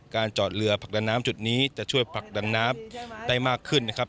การจอดเรือผลักดันน้ำจุดนี้จะช่วยผลักดันน้ำได้มากขึ้นนะครับ